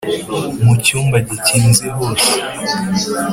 mu cyumba gikinze hose